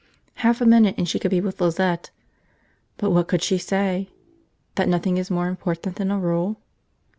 Half a minute and she could be with Lizette. But what could she say? That nothing is more important than a rule?